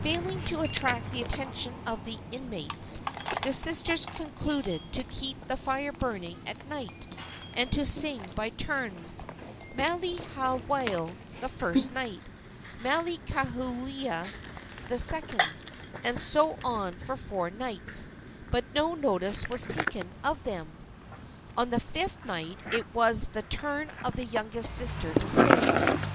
Failing to attract the attention of the inmates, the sisters concluded to keep a fire burning at night and to sing by turns Maile haiwale the first night, Maile kaluhea the second, and so on for four nights; but no notice was taken of them. On the fifth night it was the turn of the youngest sister to sing.